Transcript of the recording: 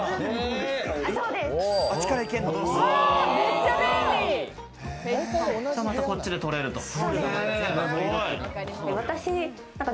またこっちで取れると。